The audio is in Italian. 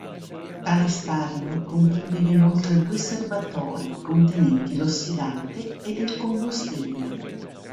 Tale stadio comprendeva inoltre due serbatoi, contenenti l'ossidante ed il combustibile.